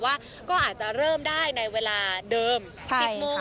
ว่าก็อาจจะเริ่มได้ในเวลาเดิม๑๐โมง